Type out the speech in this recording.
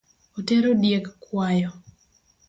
Otero diek kwayo